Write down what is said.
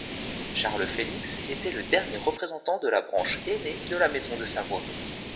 Charles-Félix était le dernier représentant de la branche aînée de la maison de Savoie.